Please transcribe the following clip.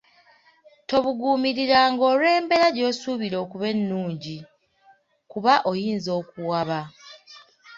Tobuguumiriranga olw’embeera gy’osuubira okuba ennungi kuba oyinza okuwaba.